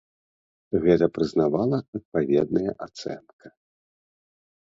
Гэта прызнавала адпаведная ацэнка.